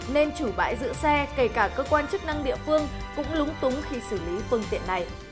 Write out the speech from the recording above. nên chủ bãi giữ xe kể cả cơ quan chức năng địa phương cũng lúng túng khi xử lý phương tiện này